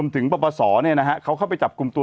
ถึงประปาศรเนี่ยนะฮะเขาเข้าไปจับกลุ่มตัว